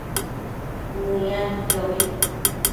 Mëyadquiobi